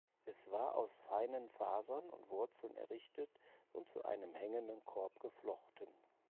Es war aus feinen Fasern und Wurzeln errichtet und zu einem hängenden Korb geflochten.